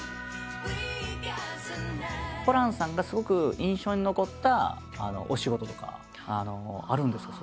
ホランさんがすごく印象に残ったお仕事とかあるんですか？